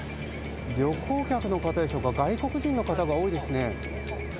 旅行客の方でしょうか、外国人の方が多いですね。